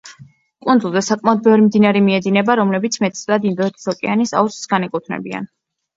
კუნძულზე საკმაოდ ბევრი მდინარე მიედინება, რომლებიც მეტწილად ინდოეთის ოკეანის აუზს განეკუთვნებიან.